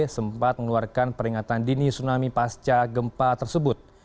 sempat mengeluarkan peringatan dini tsunami pasca gempa tersebut